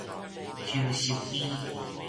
虯翼病